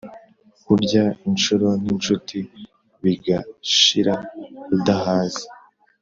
Urya inshuro n’incuti bigashira udahaze.